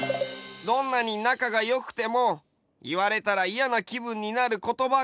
どんなになかがよくてもいわれたらイヤなきぶんになることばがあるんだよ。